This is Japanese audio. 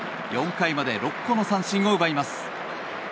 ４回まで６個の三振を奪います。